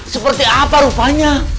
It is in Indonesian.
seperti apa rupanya